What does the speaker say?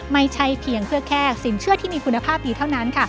ไม่ใช่เพียงเพื่อแค่สินเชื่อที่มีคุณภาพดีเท่านั้น